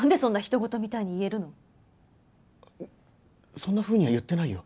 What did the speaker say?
そんなふうには言ってないよ。